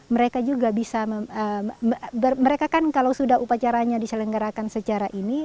mereka juga bisa mereka kan kalau sudah upacaranya diselenggarakan secara ini